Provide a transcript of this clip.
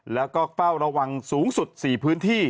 แล้วก็เฝ้าระวังสูงสุด๔พื้นที่